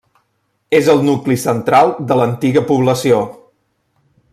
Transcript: És el nucli central de l'antiga població.